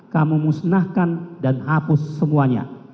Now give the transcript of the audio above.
kamu musnahkan dan hapus semuanya